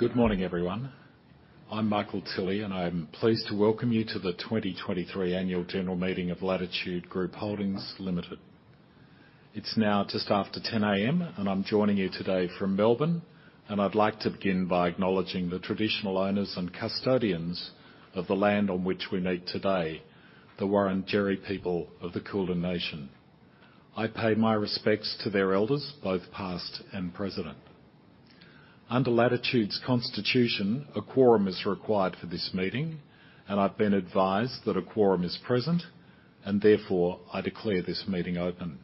Good morning, everyone. I'm Michael Tilley, I'm pleased to welcome you to the 2023 annual general meeting of Latitude Group Holdings Limited. It's now just after 10:00 A.M., I'm joining you today from Melbourne, I'd like to begin by acknowledging the traditional owners and custodians of the land on which we meet today, the Wurundjeri people of the Kulin nation. I pay my respects to their elders, both past and present. Under Latitude's constitution, a quorum is required for this meeting, I've been advised that a quorum is present, I declare this meeting open.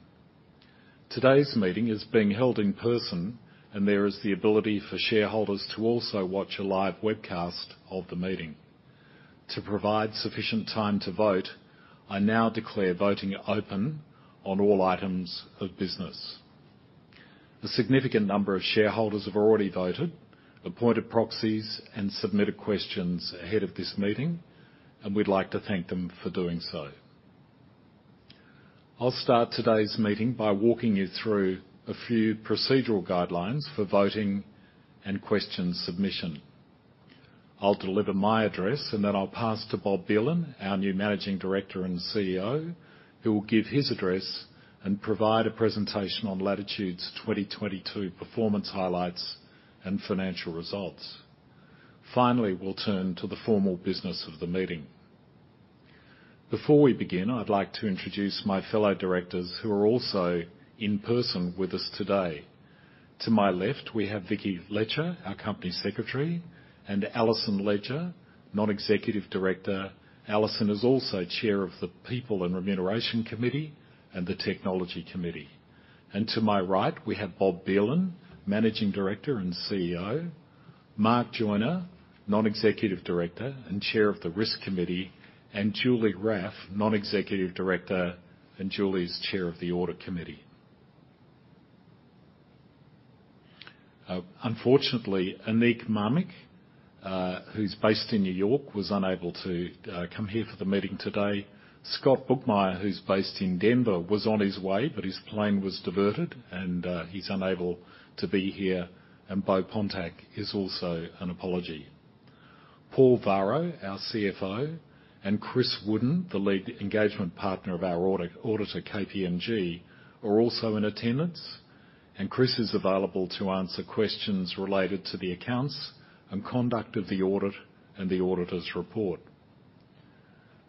Today's meeting is being held in person, there is the ability for shareholders to also watch a live webcast of the meeting. To provide sufficient time to vote, I now declare voting open on all items of business. A significant number of shareholders have already voted, appointed proxies, and submitted questions ahead of this meeting. We'd like to thank them for doing so. I'll start today's meeting by walking you through a few procedural guidelines for voting and question submission. I'll deliver my address. Then I'll pass to Bob Belan, our new Managing Director and CEO, who will give his address and provide a presentation on Latitude's 2022 performance highlights and financial results. Finally, we'll turn to the formal business of the meeting. Before we begin, I'd like to introduce my fellow directors who are also in person with us today. To my left, we have Vicki Letcher, our Company Secretary, and Alison Ledger, Non-Executive Director. Alison is also Chair of the Remuneration and People Committee and the Technology Committee. To my right, we have Bob Belan, Managing Director and CEO, Mark Joiner, Non-Executive Director and Chair of the Risk Committee, and Julie Raffe, Non-Executive Director, and Julie is Chair of the Audit Committee. Unfortunately, Aneek Mamik, who's based in New York, was unable to come here for the meeting today. Scott Bookmyer, who's based in Denver, was on his way, but his plane was diverted and he's unable to be here. Beaux Pontak is also an apology. Paul Varro, our CFO, and Chris Wood, the Lead Engagement Partner of our auditor KPMG, are also in attendance, and Chris is available to answer questions related to the accounts and conduct of the audit and the auditor's report.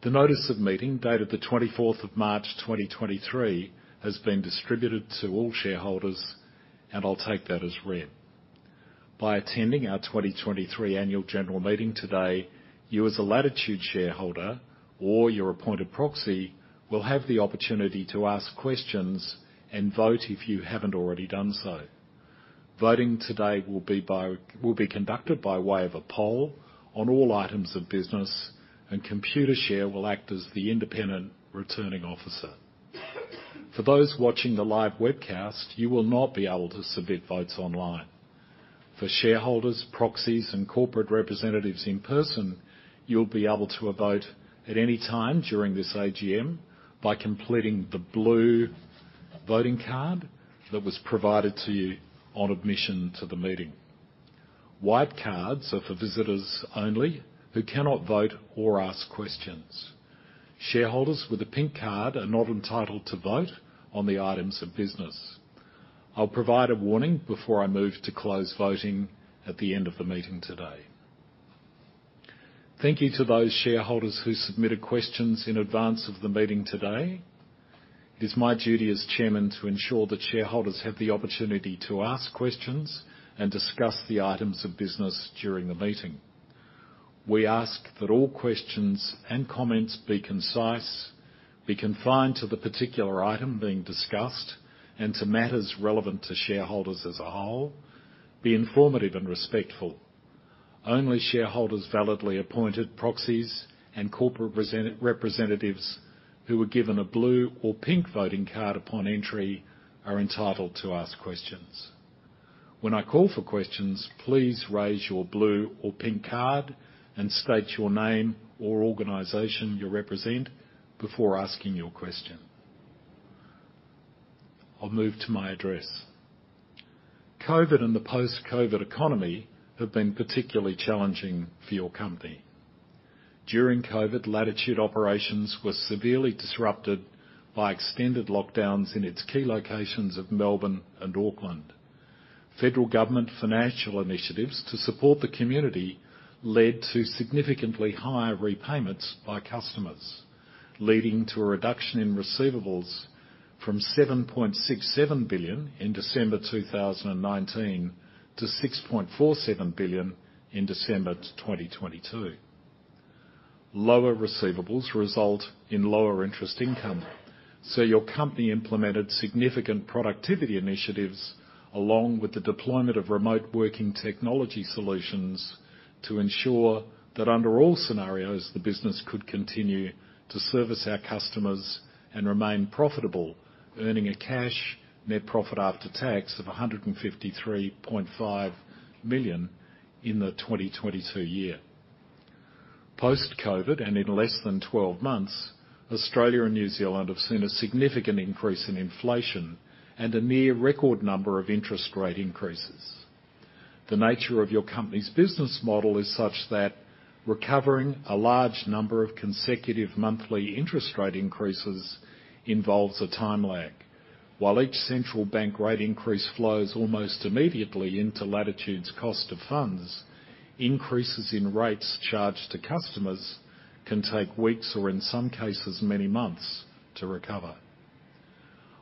The notice of meeting, dated the 24th of March 2023, has been distributed to all shareholders. I'll take that as read. By attending our 2023 annual general meeting today, you, as a Latitude shareholder or your appointed proxy, will have the opportunity to ask questions and vote if you haven't already done so. Voting today will be conducted by way of a poll on all items of business, and Computershare will act as the independent returning officer. For those watching the live webcast, you will not be able to submit votes online. For shareholders, proxies, and corporate representatives in person, you'll be able to vote at any time during this AGM by completing the blue voting card that was provided to you on admission to the meeting. White cards are for visitors only who cannot vote or ask questions. Shareholders with a pink card are not entitled to vote on the items of business. I'll provide a warning before I move to close voting at the end of the meeting today. Thank you to those shareholders who submitted questions in advance of the meeting today. It is my duty as chairman to ensure that shareholders have the opportunity to ask questions and discuss the items of business during the meeting. We ask that all questions and comments be concise, be confined to the particular item being discussed and to matters relevant to shareholders as a whole, be informative and respectful. Only shareholders validly appointed proxies and corporate representatives who were given a blue or pink voting card upon entry are entitled to ask questions. When I call for questions, please raise your blue or pink card and state your name or organization you represent before asking your question. I'll move to my address. COVID and the post-COVID economy have been particularly challenging for your company. During COVID, Latitude operations were severely disrupted by extended lockdowns in its key locations of Melbourne and Auckland. Federal government financial initiatives to support the community led to significantly higher repayments by customers, leading to a reduction in receivables from 7.67 billion in December 2019 to 6.47 billion in December 2022. Lower receivables result in lower interest income. Your company implemented significant productivity initiatives along with the deployment of remote working technology solutions to ensure that under all scenarios, the business could continue to service our customers and remain profitable, earning a Cash NPAT of 153.5 million in the 2022 year. Post COVID and in less than 12 months, Australia and New Zealand have seen a significant increase in inflation and a near record number of interest rate increases. The nature of your company's business model is such that recovering a large number of consecutive monthly interest rate increases involves a time lag. While each central bank rate increase flows almost immediately into Latitude's cost of funds, increases in rates charged to customers can take weeks, or in some cases, many months to recover.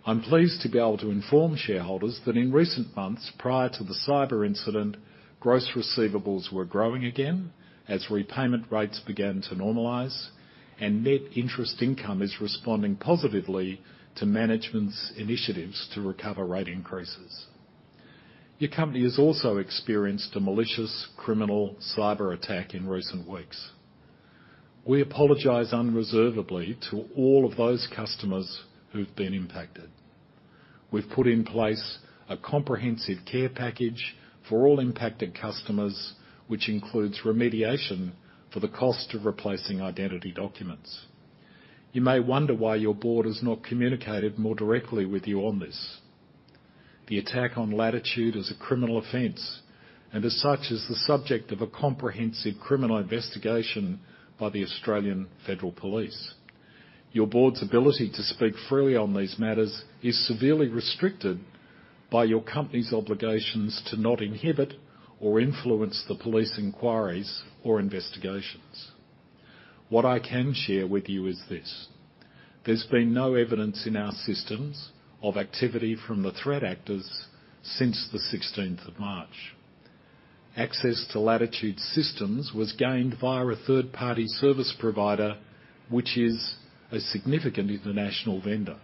I'm pleased to be able to inform shareholders that in recent months, prior to the cyber incident, gross receivables were growing again as repayment rates began to normalize and net interest income is responding positively to management's initiatives to recover rate increases. Your company has also experienced a malicious criminal cyberattack in recent weeks. We apologize unreservedly to all of those customers who've been impacted. We've put in place a comprehensive care package for all impacted customers, which includes remediation for the cost of replacing identity documents. You may wonder why your board has not communicated more directly with you on this. The attack on Latitude is a criminal offense, and as such, is the subject of a comprehensive criminal investigation by the Australian Federal Police. Your board's ability to speak freely on these matters is severely restricted by your company's obligations to not inhibit or influence the police inquiries or investigations. What I can share with you is this: there's been no evidence in our systems of activity from the threat actors since the 16th of March. Access to Latitude's systems was gained via a third-party service provider, which is a significant international vendor.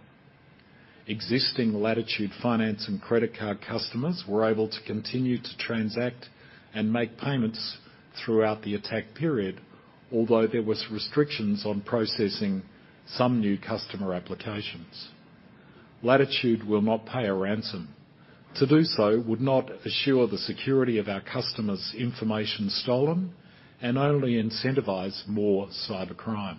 Existing Latitude finance and credit card customers were able to continue to transact and make payments throughout the attack period, although there was restrictions on processing some new customer applications. Latitude will not pay a ransom. To do so would not assure the security of our customers' information stolen and only incentivize more cybercrime.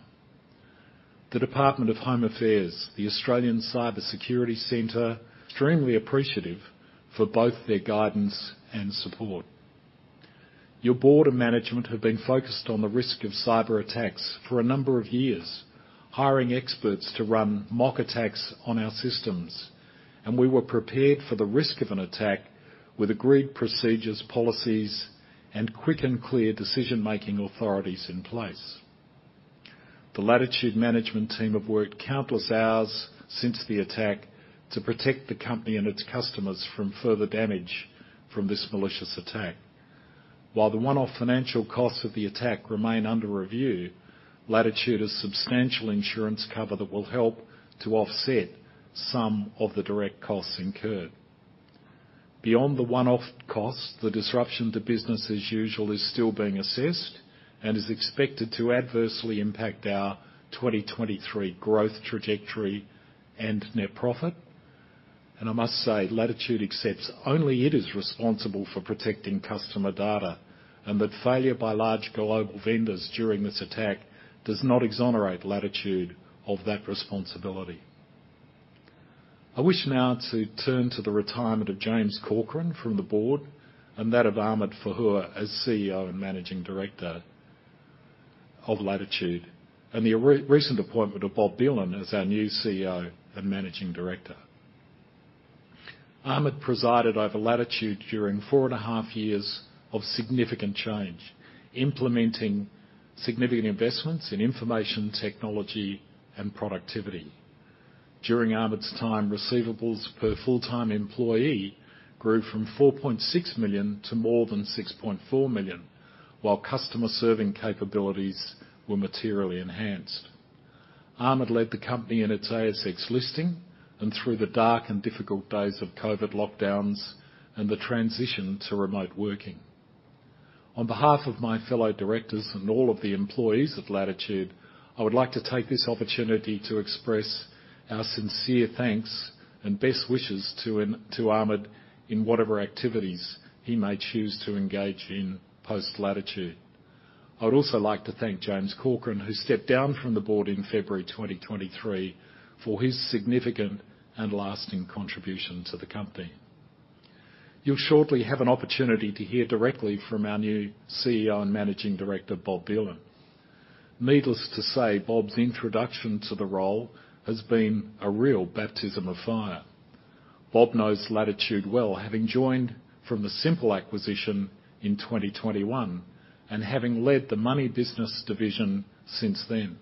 The Department of Home Affairs, the Australian Cyber Security Centre, extremely appreciative for both their guidance and support. Your board and management have been focused on the risk of cyberattacks for a number of years, hiring experts to run mock attacks on our systems, and we were prepared for the risk of an attack with agreed procedures, policies, and quick and clear decision-making authorities in place. The Latitude management team have worked countless hours since the attack to protect the company and its customers from further damage from this malicious attack. While the one-off financial costs of the attack remain under review, Latitude has substantial insurance cover that will help to offset some of the direct costs incurred. Beyond the one-off cost, the disruption to business as usual is still being assessed and is expected to adversely impact our 2023 growth trajectory and net profit. I must say, Latitude accepts only it is responsible for protecting customer data, and that failure by large global vendors during this attack does not exonerate Latitude of that responsibility. I wish now to turn to the retirement of James Corcoran from the board, and that of Ahmed Fahour as CEO and Managing Director of Latitude, and the recent appointment of Bob Belan as our new CEO and Managing Director. Ahmed presided over Latitude during four and a half years of significant change, implementing significant investments in information, technology, and productivity. During Ahmed's time, receivables per full-time employee grew from 4.6 million to more than 6.4 million, while customer serving capabilities were materially enhanced. Ahmed led the company in its ASX listing and through the dark and difficult days of COVID lockdowns and the transition to remote working. On behalf of my fellow directors and all of the employees at Latitude, I would like to take this opportunity to express our sincere thanks and best wishes to Ahmed Fahour in whatever activities he may choose to engage in post Latitude. I would also like to thank James Corcoran, who stepped down from the board in February 2023, for his significant and lasting contribution to the company. You'll shortly have an opportunity to hear directly from our new CEO and Managing Director, Bob Belan. Needless to say, Bob's introduction to the role has been a real baptism of fire. Bob knows Latitude well, having joined from the Symple acquisition in 2021, and having led the Money business division since then,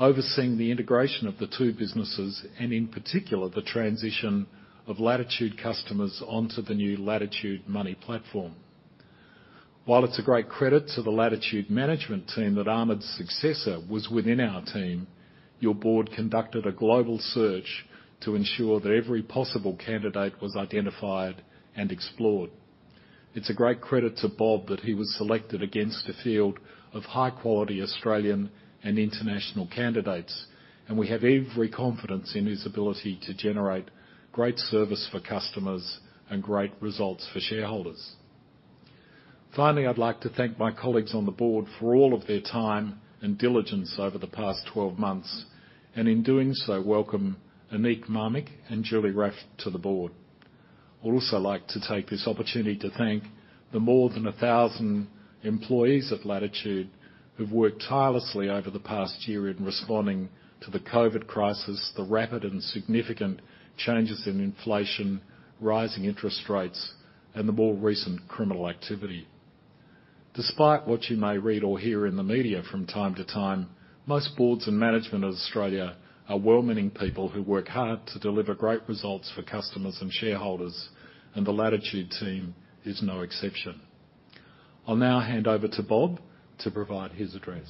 overseeing the integration of the two businesses and, in particular, the transition of Latitude customers onto the new Latitude Money Platform. While it's a great credit to the Latitude management team that Ahmad's successor was within our team, your board conducted a global search to ensure that every possible candidate was identified and explored. It's a great credit to Bob that he was selected against a field of high-quality Australian and international candidates, and we have every confidence in his ability to generate great service for customers and great results for shareholders. Finally, I'd like to thank my colleagues on the board for all of their time and diligence over the past 12 months, and in doing so, welcome Aneek Mamik and Julie Raffe to the board. I'd also like to take this opportunity to thank the more than a thousand employees at Latitude who've worked tirelessly over the past year in responding to the COVID crisis, the rapid and significant changes in inflation, rising interest rates, and the more recent criminal activity. Despite what you may read or hear in the media from time to time, most boards and management of Australia are well-meaning people who work hard to deliver great results for customers and shareholders, and the Latitude team is no exception. I'll now hand over to Bob to provide his address.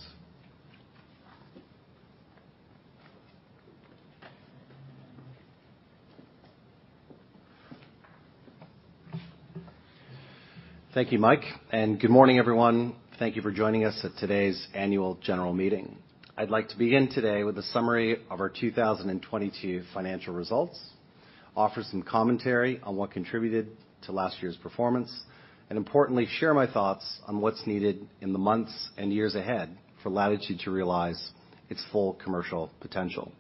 Thank you, Mike, and good morning, everyone. Thank you for joining us at today's annual general meeting. I'd like to begin today with a summary of our 2022 financial results, offer some commentary on what contributed to last year's performance, and importantly, share my thoughts on what's needed in the months and years ahead for Latitude to realize its full commercial potential.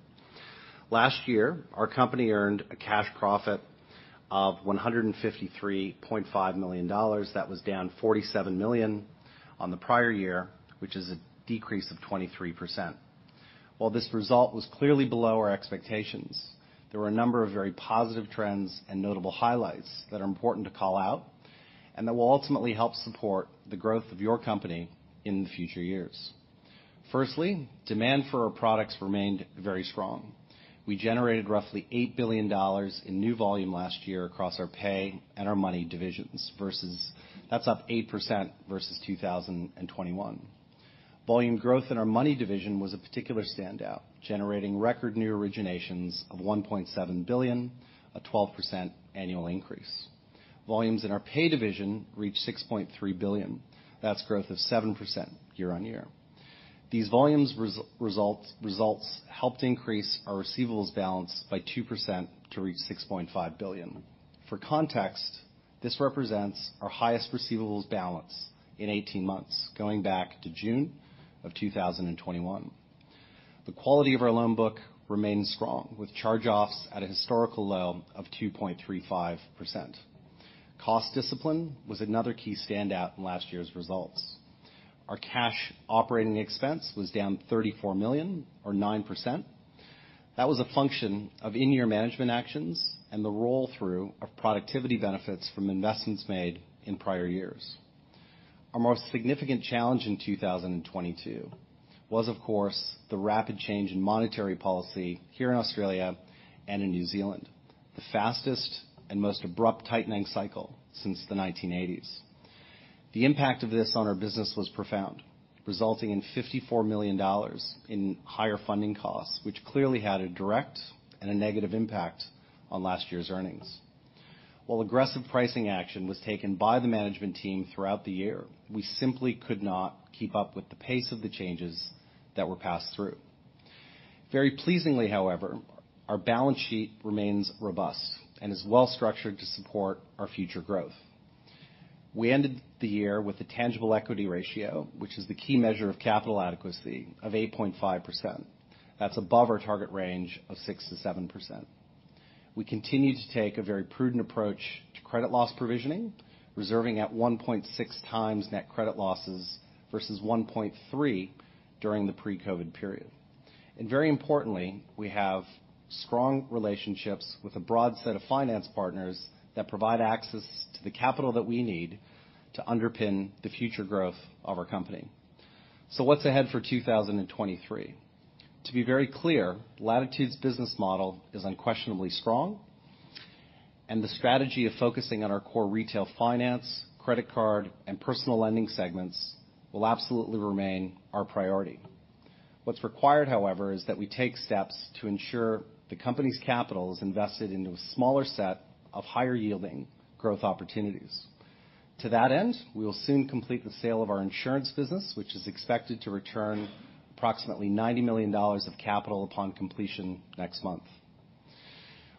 Last year, our company earned a cash profit of 153.5 million dollars. That was down 47 million on the prior year, which is a decrease of 23%. While this result was clearly below our expectations, there were a number of very positive trends and notable highlights that are important to call out and that will ultimately help support the growth of your company in the future years. Firstly, demand for our products remained very strong. We generated roughly 8 billion dollars in new volume last year across our pay and our money divisions. That's up 8% versus 2021. Volume growth in our money division was a particular standout, generating record new originations of AUD 1.7 billion, a 12% annual increase. Volumes in our pay division reached AUD 6.3 billion. That's growth of 7% year-on-year. These volumes results helped increase our receivables balance by 2% to reach 6.5 billion. For context, this represents our highest receivables balance in 18 months, going back to June 2021. The quality of our loan book remains strong, with charge-offs at a historical low of 2.35%. Cost discipline was another key standout in last year's results. Our cash operating expense was down 34 million or 9%. That was a function of in-year management actions and the roll-through of productivity benefits from investments made in prior years. Our most significant challenge in 2022 was, of course, the rapid change in monetary policy here in Australia and in New Zealand, the fastest and most abrupt tightening cycle since the 1980s. The impact of this on our business was profound, resulting in 54 million dollars in higher funding costs, which clearly had a direct and a negative impact on last year's earnings. While aggressive pricing action was taken by the management team throughout the year, we simply could not keep up with the pace of the changes that were passed through. Very pleasingly, however, our balance sheet remains robust and is well structured to support our future growth. We ended the year with a tangible equity ratio, which is the key measure of capital adequacy of 8.5%. That's above our target range of 6%-7%. We continue to take a very prudent approach to credit loss provisioning, reserving at 1.6 times net credit losses versus 1.3 during the pre-COVID period. Very importantly, we have strong relationships with a broad set of finance partners that provide access to the capital that we need to underpin the future growth of our company. What's ahead for 2023? To be very clear, Latitude's business model is unquestionably strong, the strategy of focusing on our core retail finance, credit card, and personal lending segments will absolutely remain our priority. What's required, however, is that we take steps to ensure the company's capital is invested into a smaller set of higher-yielding growth opportunities. To that end, we will soon complete the sale of our insurance business, which is expected to return approximately 90 million dollars of capital upon completion next month.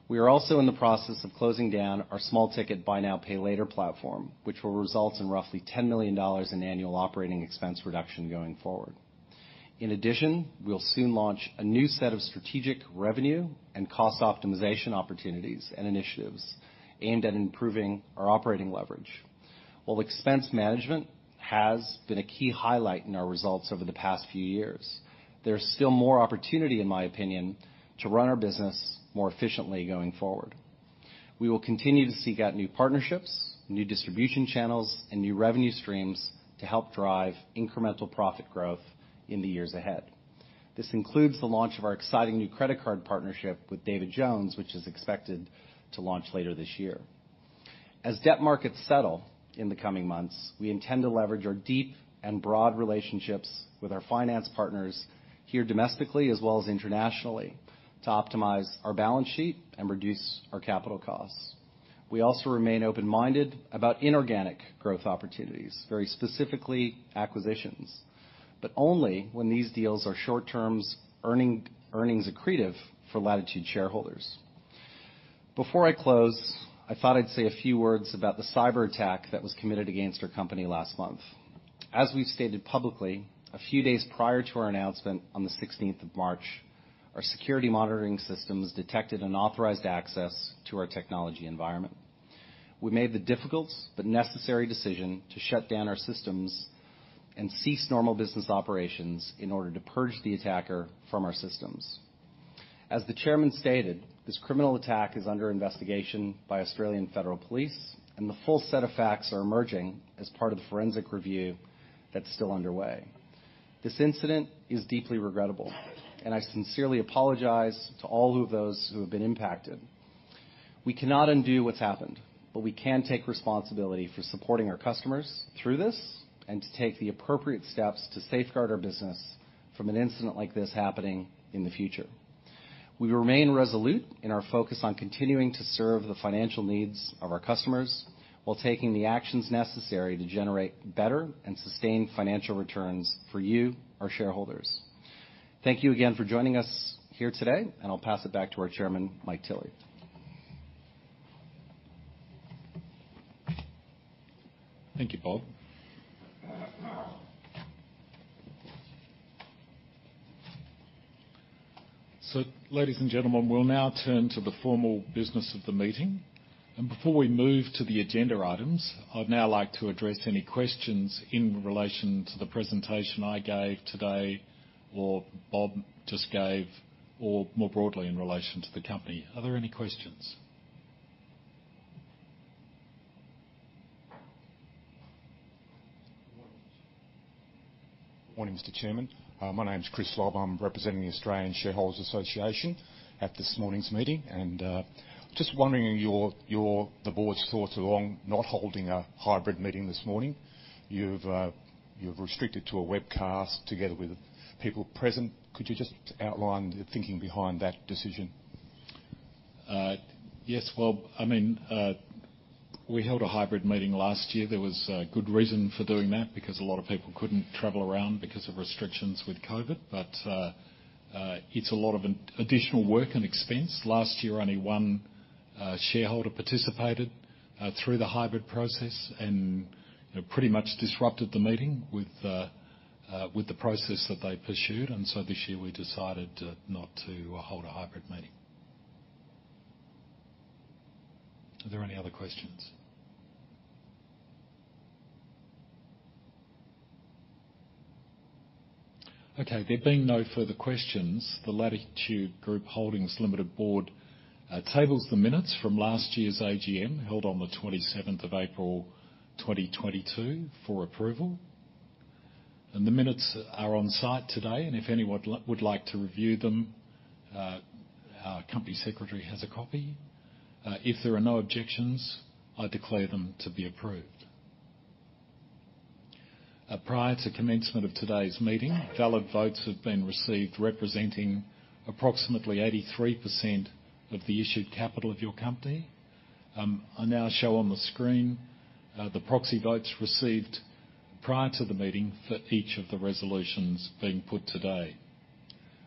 We are also in the process of closing down our small ticket buy now, pay later platform, which will result in roughly 10 million dollars in annual operating expense reduction going forward. We'll soon launch a new set of strategic revenue and cost optimization opportunities and initiatives aimed at improving our operating leverage. While expense management has been a key highlight in our results over the past few years, there's still more opportunity, in my opinion, to run our business more efficiently going forward. We will continue to seek out new partnerships, new distribution channels, and new revenue streams to help drive incremental profit growth in the years ahead. This includes the launch of our exciting new credit card partnership with David Jones, which is expected to launch later this year. As debt markets settle in the coming months, we intend to leverage our deep and broad relationships with our finance partners here domestically as well as internationally, to optimize our balance sheet and reduce our capital costs. We also remain open-minded about inorganic growth opportunities, very specifically acquisitions, but only when these deals are short terms earning, earnings accretive for Latitude shareholders. Before I close, I thought I'd say a few words about the cyberattack that was committed against our company last month. As we've stated publicly, a few days prior to our announcement on the 16th of March, our security monitoring systems detected unauthorized access to our technology environment. We made the difficult but necessary decision to shut down our systems and cease normal business operations in order to purge the attacker from our systems. As the chairman stated, this criminal attack is under investigation by Australian Federal Police, and the full set of facts are emerging as part of the forensic review that's still underway. This incident is deeply regrettable, and I sincerely apologize to all of those who have been impacted. We cannot undo what's happened, but we can take responsibility for supporting our customers through this and to take the appropriate steps to safeguard our business from an incident like this happening in the future. We remain resolute in our focus on continuing to serve the financial needs of our customers while taking the actions necessary to generate better and sustained financial returns for you, our shareholders. Thank you again for joining us here today. I'll pass it back to our Chairman, Mike Tilley. Thank you, Bob. Ladies and gentlemen, we'll now turn to the formal business of the meeting. Before we move to the agenda items, I'd now like to address any questions in relation to the presentation I gave today or Bob just gave, or more broadly in relation to the company. Are there any questions? Good morning, Mr. Chairman. My name is Chris Lob. I'm representing the Australian Shareholders Association at this morning's meeting. Just wondering your, the board's thoughts along not holding a hybrid meeting this morning. You've restricted to a webcast together with people present. Could you just outline the thinking behind that decision? Yes, well, I mean, we held a hybrid meeting last year. There was good reason for doing that because a lot of people couldn't travel around because of restrictions with COVID. It's a lot of an additional work and expense. Last year, only one shareholder participated through the hybrid process and, pretty much disrupted the meeting with the process that they pursued. This year, we decided not to hold a hybrid meeting. Are there any other questions? There being no further questions, the Latitude Group Holdings Limited board tables the minutes from last year's AGM, held on the 27th of April, 2022 for approval. The minutes are on site today, and if anyone would like to review them, our company secretary has a copy. If there are no objections, I declare them to be approved. Prior to commencement of today's meeting, valid votes have been received representing approximately 83% of the issued capital of your company. I now show on the screen the proxy votes received prior to the meeting for each of the resolutions being put today.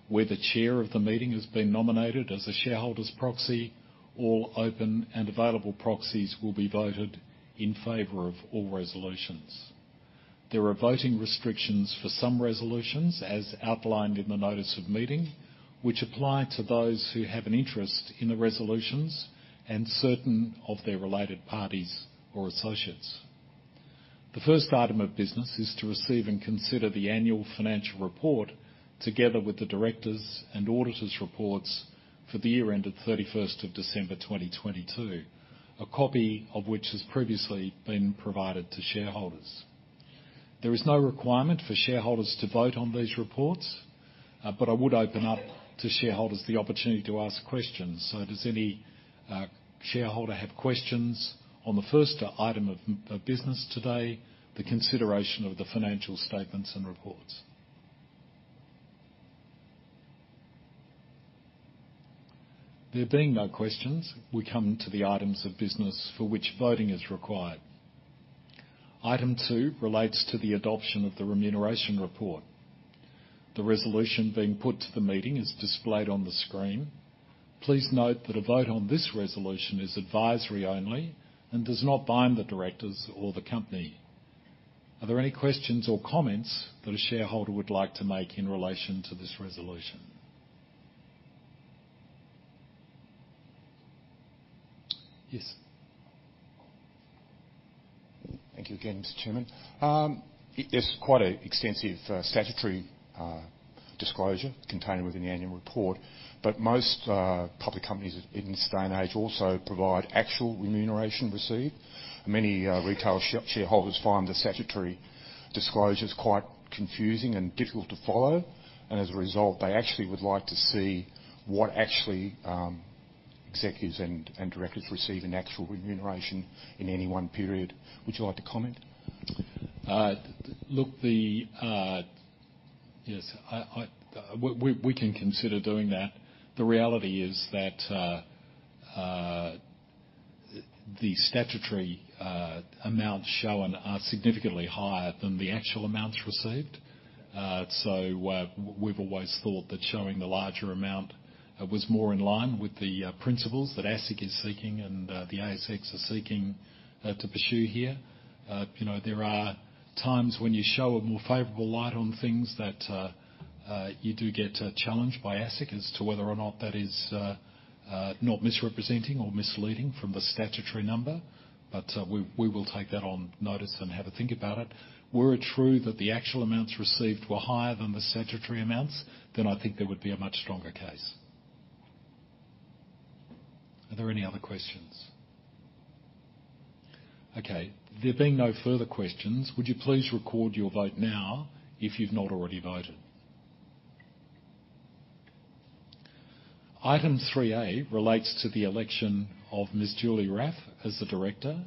Where the chair of the meeting has been nominated as a shareholder's proxy, all open and available proxies will be voted in favor of all resolutions. There are voting restrictions for some resolutions, as outlined in the notice of meeting, which apply to those who have an interest in the resolutions and certain of their related parties or associates. The first item of business is to receive and consider the annual financial report, together with the directors' and auditors' reports for the year end of 31st of December, 2022. A copy of which has previously been provided to shareholders. There is no requirement for shareholders to vote on these reports. I would open up to shareholders the opportunity to ask questions. Does any shareholder have questions on the first item of business today, the consideration of the financial statements and reports? There being no questions, we come to the items of business for which voting is required. Item two relates to the adoption of the remuneration report. The resolution being put to the meeting is displayed on the screen. Please note that a vote on this resolution is advisory only and does not bind the directors or the company. Are there any questions or comments that a shareholder would like to make in relation to this resolution? Yes. Thank you again, Mr. Chairman. There's quite a extensive statutory disclosure contained within the annual report, but most public companies in this day and age also provide actual remuneration received. Many retail shareholders find the statutory disclosures quite confusing and difficult to follow. As a result, they actually would like to see what actually executives and directors receive in actual remuneration in any one period. Would you like to comment? Look, the. Yes, I can consider doing that. The reality is that the statutory amount shown are significantly higher than the actual amounts received. We've always thought that showing the larger amount was more in line with the principles that ASIC is seeking and the ASX is seeking to pursue here. You know, there are times when you show a more favorable light on things that you do get challenged by ASIC as to whether or not that is not misrepresenting or misleading from the statutory number. We will take that on notice and have a think about it. Were it true that the actual amounts received were higher than the statutory amounts, then I think there would be a much stronger case. Are there any other questions? Okay. There being no further questions, would you please record your vote now if you've not already voted. Item 3A relates to the election of Ms. Julie Raffe as the director,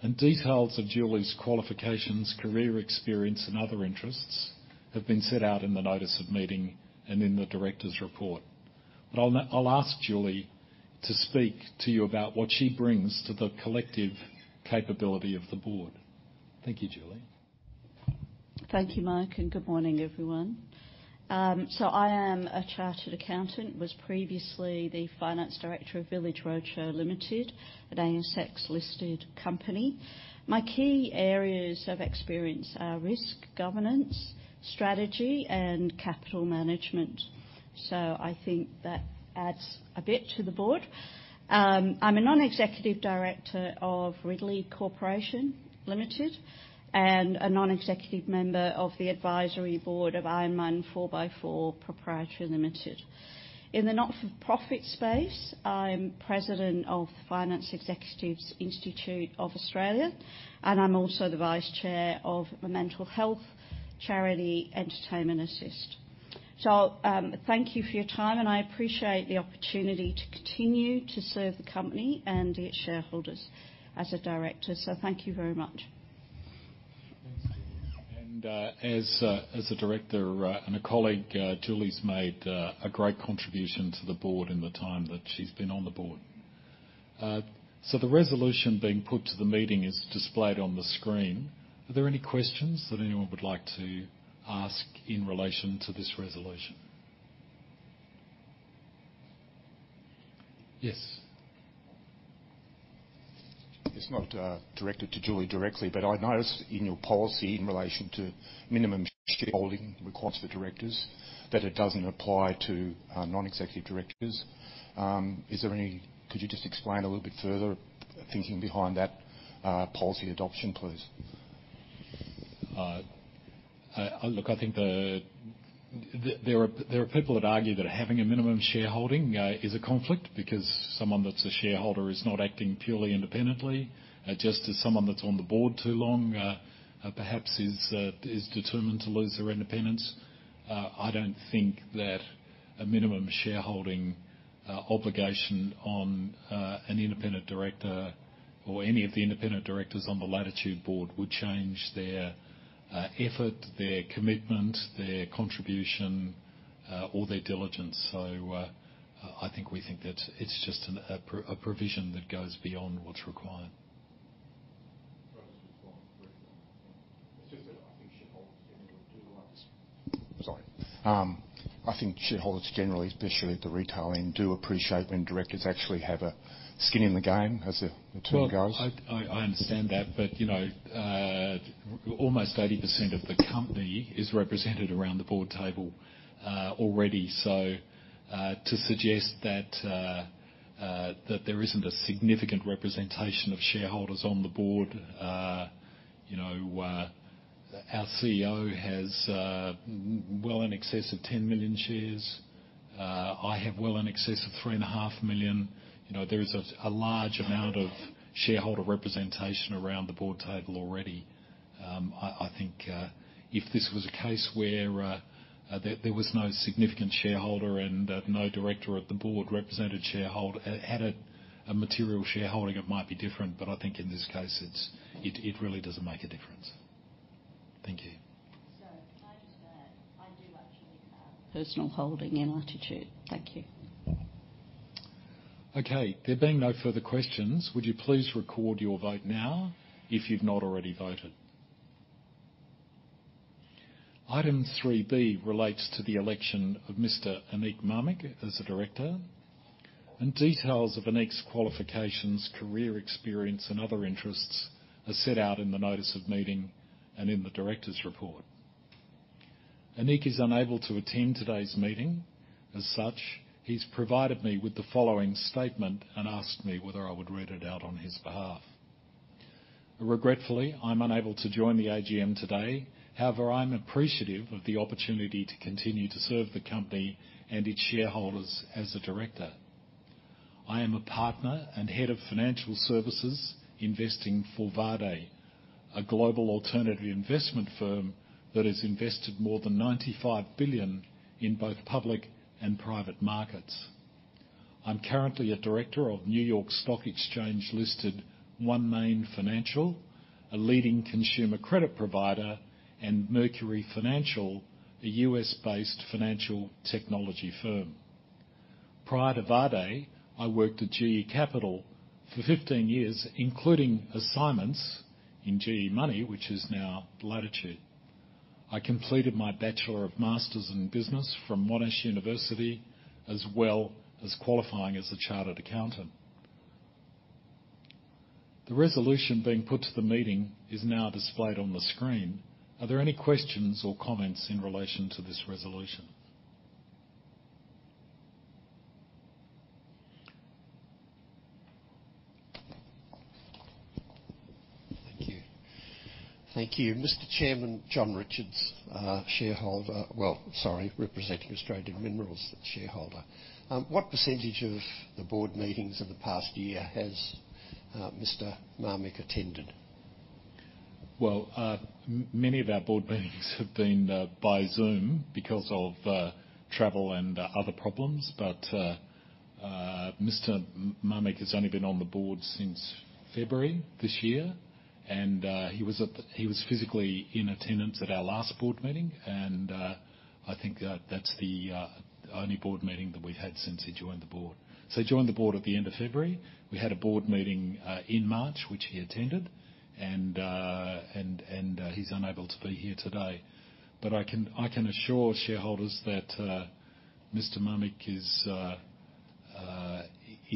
and details of Julie's qualifications, career experience, and other interests have been set out in the notice of meeting and in the director's report. I'll ask Julie to speak to you about what she brings to the collective capability of the board. Thank you, Julie. Thank you, Mike, and good morning, everyone. I am a chartered accountant, was previously the Finance Director of Village Roadshow Limited, an ASX-listed company. My key areas of experience are risk, governance, strategy, and capital management. I think that adds a bit to the board. I'm a non-executive director of Ridley Corporation Limited and a non-executive member of the advisory board of Ironman4x4 Proprietary Limited. In the not-for-profit space, I'm President of Financial Executives Institute of Australia, and I'm also the Vice Chair of the mental health charity, Entertainment Assist. Thank you for your time, and I appreciate the opportunity to continue to serve the company and its shareholders as a director. Thank you very much. Thanks, Julie. As a director, and a colleague, Julie's made a great contribution to the board in the time that she's been on the board. The resolution being put to the meeting is displayed on the screen. Are there any questions that anyone would like to ask in relation to this resolution? Yes. It's not directed to Julie directly, but I notice in your policy in relation to minimum shareholding requirements for directors that it doesn't apply to non-executive directors. Could you just explain a little bit further thinking behind that policy adoption, please? There are people that argue that having a minimum shareholding is a conflict because someone that's a shareholder is not acting purely independently, just as someone that's on the board too long perhaps is determined to lose their independence. I don't think that a minimum shareholding obligation on an independent director or any of the independent directors on the Latitude board would change their effort, their commitment, their contribution, or their diligence. I think we think that it's just a provision that goes beyond what's required. Sorry. I think shareholders generally, especially at the retail end, do appreciate when directors actually have skin in the game, as the term goes. Well, I understand that, you know, almost 80% of the company is represented around the board table already. To suggest that there isn't a significant representation of shareholders on the board, you know, our CEO has well in excess of 10 million shares. I have well in excess of 3.5 million. You know, there is a large amount of shareholder representation around the board table already. I think if this was a case where there was no significant shareholder and no director of the board represented shareholder, had a material shareholding, it might be different, but I think in this case, it really doesn't make a difference. Thank you. Can I just add, I do actually have personal holding in Latitude. Thank you. Okay. There being no further questions, would you please record your vote now if you've not already voted. Item 3B relates to the election of Mr. Aneek Mamik as a director, and details of Aneek's qualifications, career experience, and other interests are set out in the notice of meeting and in the directors report. Aneek is unable to attend today's meeting. As such, he's provided me with the following statement and asked me whether I would read it out on his behalf. "Regretfully, I'm unable to join the AGM today. However, I'm appreciative of the opportunity to continue to serve the company and its shareholders as a director. I am a partner and head of financial services investing for Värde, a global alternative investment firm that has invested more than 95 billion in both public and private markets. I'm currently a director of New York Stock Exchange listed OneMain Financial, a leading consumer credit provider, and Mercury Financial, a U.S.-based financial technology firm. Prior to Värde, I worked at GE Capital for 15 years, including assignments in GE Money, which is now Latitude. I completed my Bachelor of Masters in Business from Monash University, as well as qualifying as a chartered accountant. The resolution being put to the meeting is now displayed on the screen. Are there any questions or comments in relation to this resolution? Thank you. Thank you. Mr. Chairman, John Richards, shareholder. Well, sorry, representing Australian Minerals Shareholder. What percentage of the board meetings in the past year has Mr. Mamik attended? Many of our board meetings have been by Zoom because of travel and other problems. Mr. Mamik has only been on the board since February this year, and he was physically in attendance at our last board meeting, and I think that's the only board meeting that we've had since he joined the board. He joined the board at the end of February. We had a board meeting in March, which he attended, and he's unable to be here today. I can assure shareholders that Mr. Mamik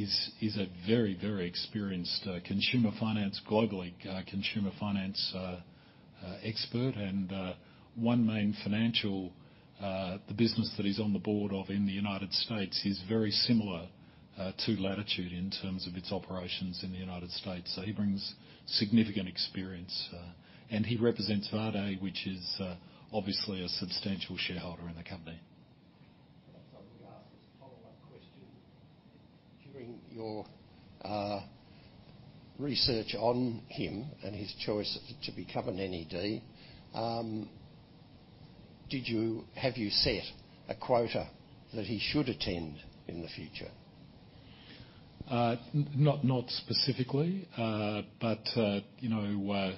is a very, very experienced consumer finance globally, consumer finance expert. OneMain Financial, the business that he's on the board of in the United States, is very similar to Latitude in terms of its operations in the United States. He brings significant experience, and he represents Värde, which is obviously a substantial shareholder in the company. Let me ask this follow-up question. During your research on him and his choice to become an NED, have you set a quota that he should attend in the future? But, you know,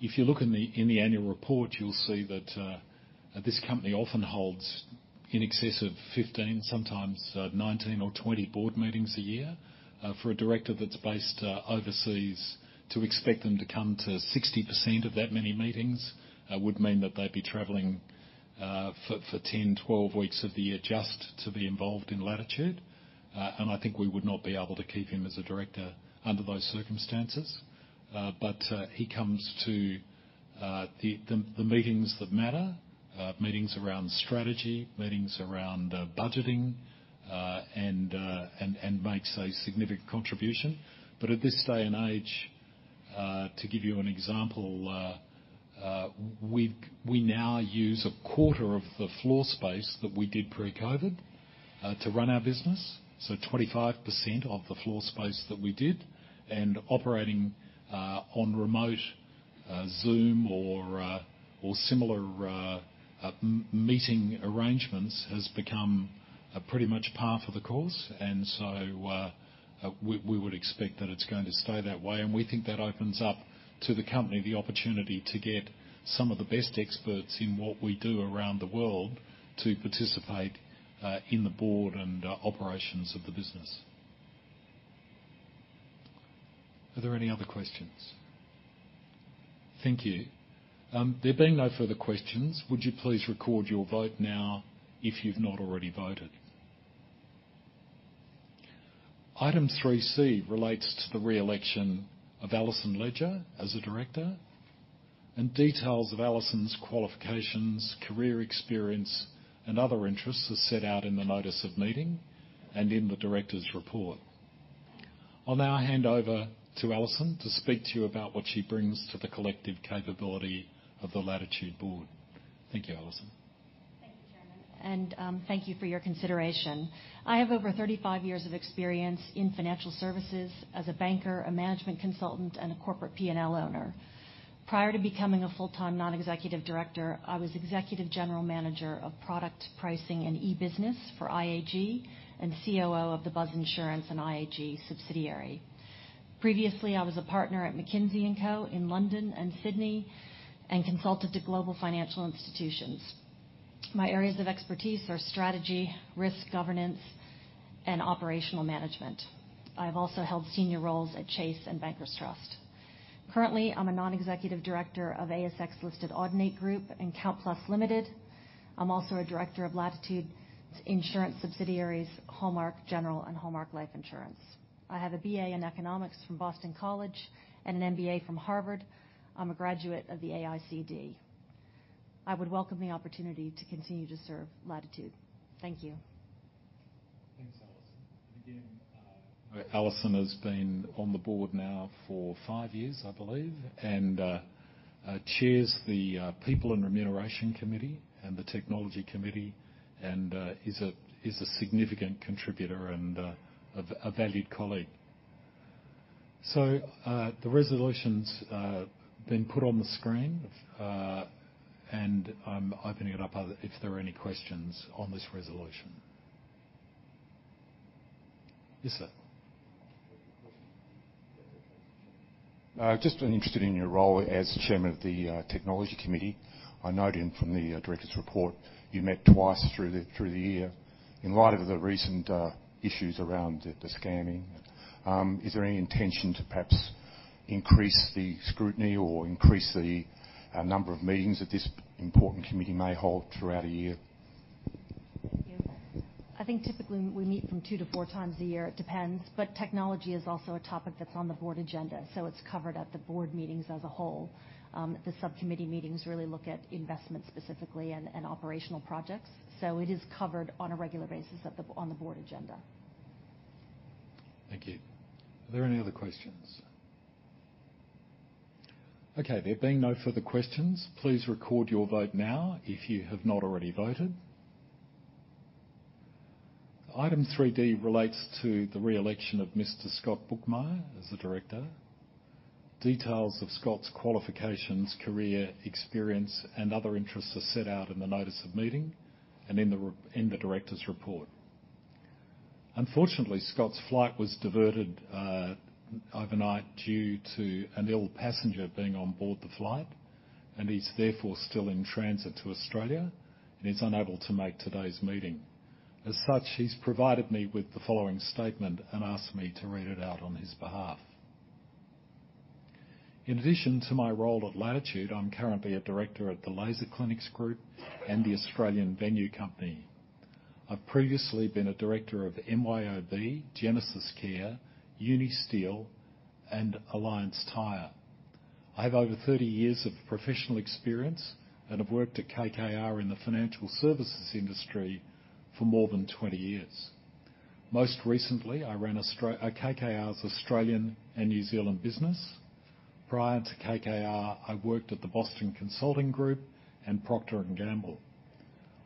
if you look in the annual report, you will see that this company often holds in excess of 15, sometimes 19 or 20 board meetings a year. For a director that is based overseas, to expect them to come to 60% of that many meetings, would mean that they would be traveling for 10, 12 weeks of the year just to be involved in Latitude. I think we would not be able to keep him as a director under those circumstances. But he comes to the meetings that matter, meetings around strategy, meetings around budgeting, and makes a significant contribution. At this day and age, to give you an example, we now use a quarter of the floor space that we did pre-COVID to run our business, so 25% of the floor space that we did. Operating on remote Zoom or similar meeting arrangements has become pretty much par for the course. We would expect that it's going to stay that way, and we think that opens up to the company the opportunity to get some of the best experts in what we do around the world to participate in the board and operations of the business. Are there any other questions? Thank you. There being no further questions, would you please record your vote now if you've not already voted. Item 3 C relates to the reelection of Alison Ledger as a director. Details of Alison's qualifications, career experience, and other interests are set out in the notice of meeting and in the director's report. I'll now hand over to Alison to speak to you about what she brings to the collective capability of the Latitude board. Thank you, Alison. Thank you, Chairman, and thank you for your consideration. I have over 35 years of experience in financial services as a banker, a management consultant, and a corporate P&L owner. Prior to becoming a full-time non-executive director, I was Executive General Manager of Product Pricing and eBusiness for IAG and COO of the Buzz Insurance and IAG subsidiary. Previously, I was a partner at McKinsey & Co. in London and Sydney and consulted to global financial institutions. My areas of expertise are strategy, risk governance, and operational management. I've also held senior roles at Chase and Bankers Trust. Currently, I'm a non-executive director of ASX-listed Audinate Group and CountPlus Limited. I'm also a director of Latitude's insurance subsidiaries, Hallmark General and Hallmark Life Insurance. I have a BA in Economics from Boston College and an MBA from Harvard. I'm a graduate of the AICD. I would welcome the opportunity to continue to serve Latitude. Thank you. Thanks, Alison. Alison has been on the board now for five years, I believe, and chairs the Remuneration and People Committee and the Technology Committee and is a significant contributor and a valued colleague. The resolution's been put on the screen, and I'm opening it up, if there are any questions on this resolution? Yes, sir. Just been interested in your role as Chairman of the Technology Committee. I noted from the director's report you met twice through the year. In light of the recent issues around the scamming, is there any intention to perhaps increase the scrutiny or increase the number of meetings that this important committee may hold throughout a year? Thank you. I think typically we meet from two to four times a year. It depends. Technology is also a topic that's on the board agenda, so it's covered at the board meetings as a whole. The subcommittee meetings really look at investment specifically and operational projects. It is covered on a regular basis on the board agenda. Thank you. Are there any other questions? There being no further questions, please record your vote now if you have not already voted. Item 3D relates to the re-election of Mr. Scott Bookmyer as a director. Details of Scott's qualifications, career experience, and other interests are set out in the notice of meeting and in the director's report. Unfortunately, Scott's flight was diverted overnight due to an ill passenger being on board the flight, and he's therefore still in transit to Australia and is unable to make today's meeting. As such, he's provided me with the following statement and asked me to read it out on his behalf. In addition to my role at Latitude, I'm currently a director at the Laser Clinics Group and the Australian Venue Co I've previously been a director of MYOB, GenesisCare, Unisteel, and Alliance Tire. I have over 30 years of professional experience and have worked at KKR in the financial services industry for more than 20 years. Most recently, I ran KKR's Australian and New Zealand business. Prior to KKR, I worked at the Boston Consulting Group and Procter & Gamble.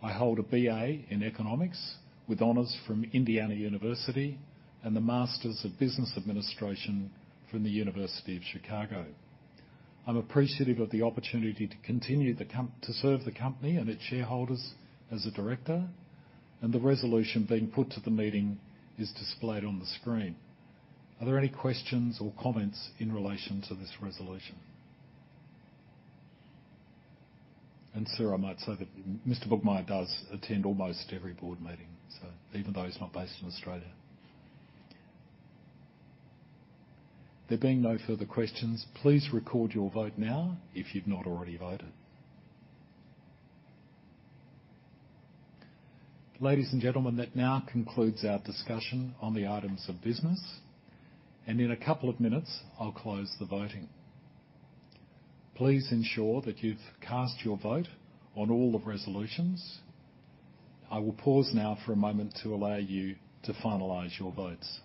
I hold a BA in Economics with honors from Indiana University and a Masters of Business Administration from the University of Chicago. I'm appreciative of the opportunity to continue to serve the company and its shareholders as a director, and the resolution being put to the meeting is displayed on the screen. Are there any questions or comments in relation to this resolution? Sir, I might say that Mr. Bookmyer does attend almost every board meeting, so even though he's not based in Australia. There being no further questions, please record your vote now if you've not already voted. Ladies and gentlemen, that now concludes our discussion on the items of business. In a couple of minutes, I'll close the voting. Please ensure that you've cast your vote on all the resolutions. I will pause now for a moment to allow you to finalize your votes.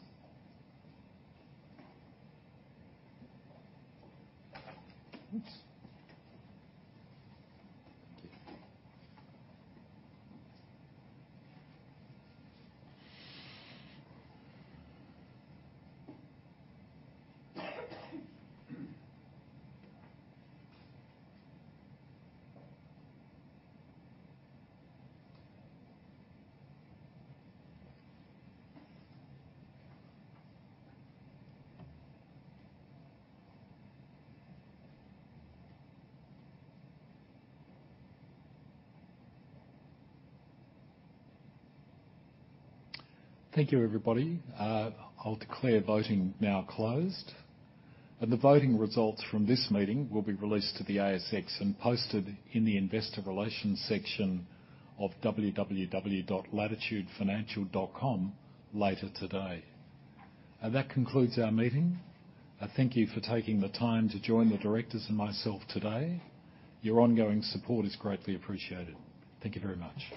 Oops. Thank you. Thank you, everybody. I'll declare voting now closed. The voting results from this meeting will be released to the ASX and posted in the investor relations section of www.latitudefinancial.com.au later today. That concludes our meeting. I thank you for taking the time to join the directors and myself today. Your ongoing support is greatly appreciated. Thank you very much.